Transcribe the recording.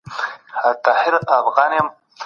چي د جلال الدین اکبر او نورو مغولي پاچاهانو پر وړاندي.